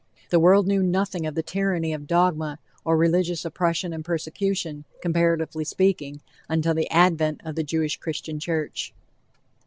The world knew nothing of the tyranny of dogma, or religious oppression and persecution, comparatively speaking, until the advent of the Jewish Christian Church.